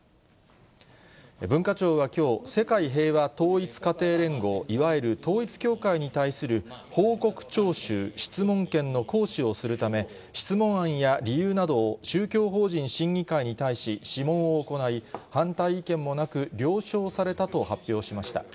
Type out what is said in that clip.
文化庁はきょう、世界平和統一家庭連合、いわゆる統一教会に対する報告徴収・質問権の行使をするため、質問案や理由などを宗教法人審議会に対し諮問を行い、反対意見もなく、了承されたと発表しました。